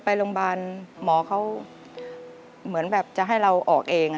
ไปโรงพยาบาลหมอเขาเหมือนแบบจะให้เราออกเอง